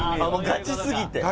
ガチすぎて。